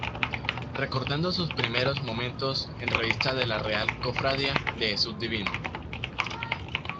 Recordando sus primeros momentos, en Revista de la Real cofradía de Jesús divino.